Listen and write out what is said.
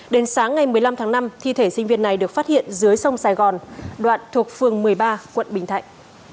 đến sáng ngày một mươi năm tháng năm thi thể sinh viên này được phát hiện dưới sông sài gòn đoạn thuộc phường một mươi ba quận bình thạnh